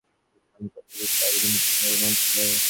এরপর আমদানির জন্য সেই সনদপত্র যুক্ত করে আবেদন করতে হবে মন্ত্রণালয়ে।